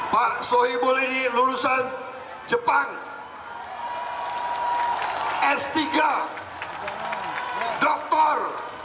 pak sohibul ini lulusan jepang s tiga dokter